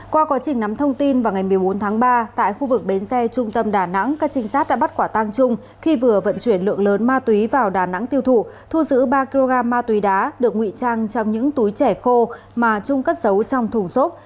qua quá trình nắm thông tin vào ngày một mươi bốn tháng ba tại khu vực bến xe trung tâm đà nẵng các trinh sát đã bắt quả tang trung khi vừa vận chuyển lượng lớn ma túy vào đà nẵng tiêu thụ thu giữ ba kg ma túy đá được nguy trang trong những túi trẻ khô mà trung cất giấu trong thùng xốp